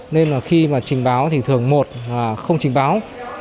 nên là khi mà trình báo thì thường một là không trình báo